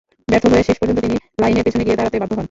ব্যর্থ হয়ে শেষ পর্যন্ত তিনি লাইনের পেছনে গিয়ে দাঁড়াতে বাধ্য হন।